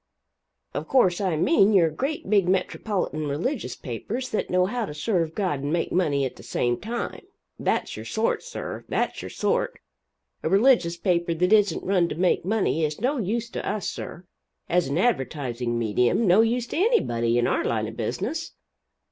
Of course I mean your great big metropolitan religious papers that know how to serve God and make money at the same time that's your sort, sir, that's your sort a religious paper that isn't run to make money is no use to us, sir, as an advertising medium no use to anybody in our line of business.